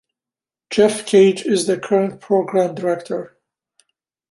Jeff Cage is the current program director.